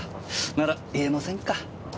なら言えませんか。